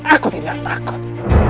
aku tidak takut